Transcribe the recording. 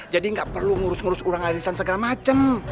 jadi gak perlu ngurus ngurus uang arisan segala macem